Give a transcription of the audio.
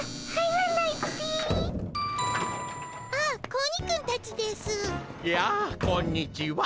やあこんにちは。